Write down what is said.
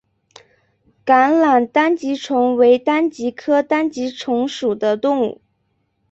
橄榄单极虫为单极科单极虫属的动物。